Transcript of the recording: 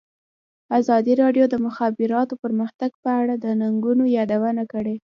ازادي راډیو د د مخابراتو پرمختګ په اړه د ننګونو یادونه کړې.